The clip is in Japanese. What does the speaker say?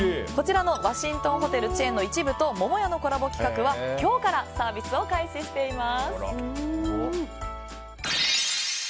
ワシントンホテルチェーンの一部と、桃屋のコラボ企画は今日からサービスを開始しています。